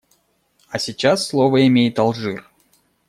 А сейчас слово имеет Алжир.